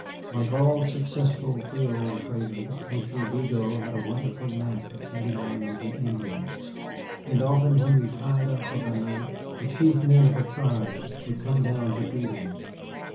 Like all successful Creole traders, Monsieur Vigo had a wonderful knack of getting on with the Indians, and often when we tied up of a night the chief men of a tribe would come down to greet him.